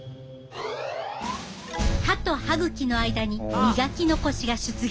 歯と歯ぐきの間に磨き残しが出現！